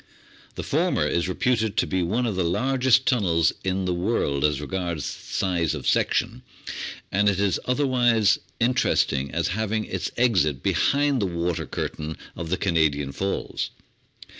The former is reputed to be one of the largest tunnels in the world as regards size of section, and it is otherwise interesting as having its exit behind the water curtain of the Canadian Falls.